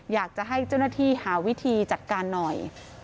อยากจะให้เจ้าหน้าที่หาวิธีจัดการหน่อย